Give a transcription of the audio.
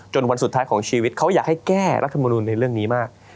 วันสุดท้ายของชีวิตเขาอยากให้แก้รัฐมนุนในเรื่องนี้มาก